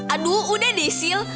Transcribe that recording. aduh udah deh sil